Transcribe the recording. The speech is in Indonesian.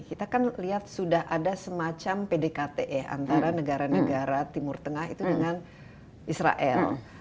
kita kan lihat sudah ada semacam pdkte antara negara negara timur tengah itu dengan israel